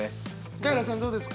カエラさんどうですか？